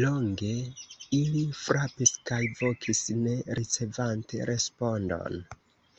Longe ili frapis kaj vokis, ne ricevante respondon.